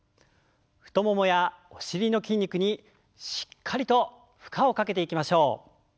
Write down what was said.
太ももやお尻の筋肉にしっかりと負荷をかけていきましょう。